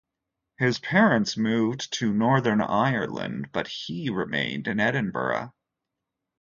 His parents moved to Northern Ireland but he remained in Edinburgh.